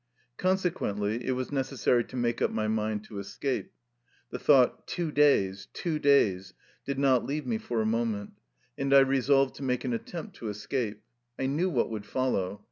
Consequently, it was necessary to make up my mind to escape. The thought " two days, two days " did not leave me for a moment. And I resolved to make an attempt to escape. I knew what would follow.